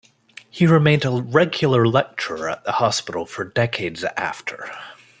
He remained a regular lecturer at the hospital for decades after.